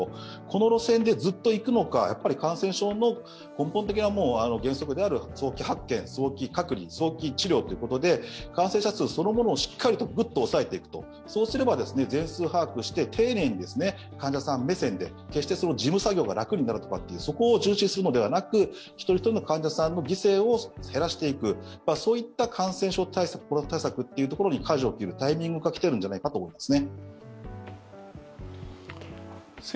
この路線でずっといくのか、感染症の根本的な原則である早期発見、早期隔離、早期治療ということで感染者数そのものをしっかりとグッと抑えていく、そうすれば、全数把握して丁寧に患者さん目線で決して事務作業が楽になるとかそこを重視するのではなく一人一人の患者さんの犠牲を減らしていくという感染対策、コロナ対策にかじを切るタイミングに来ているんじゃないかと思います。